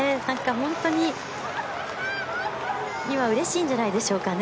本当に、今、うれしいんじゃないでしょうかね。